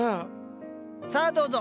さあどうぞ。